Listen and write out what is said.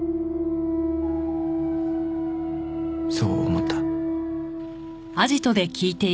そう思った。